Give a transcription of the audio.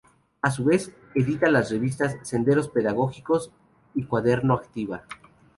A su vez, edita las revistas "Senderos Pedagógicos" y "Cuaderno Activa".